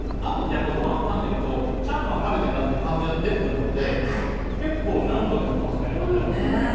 ご飯を噛んでるとチャーハン食べてるなって感じが出てくるので、何度でも楽しめる感じがあります。